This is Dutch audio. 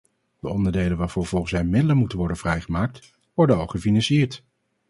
De onderdelen waarvoor volgens hem middelen moeten worden vrijgemaakt, worden al gefinancierd.